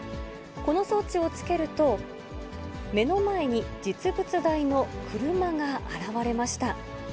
この装置を付けると、目の前に実物大の車が現れました。